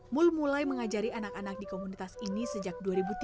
mul mulai mengajari anak anak di komunitas ini sejak dua ribu tiga